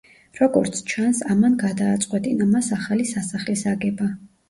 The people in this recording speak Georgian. როგორც ჩანს, ამან გადააწყვეტინა მას ახალი სასახლის აგება.